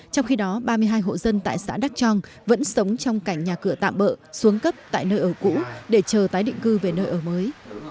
trong khi đó ba mươi hai hộ dân tại xã đắk trong vẫn sống trong cảnh nhà cửa tạm bỡ xuống cấp tại nơi ở cũ để chờ tái định cư về nơi ở mới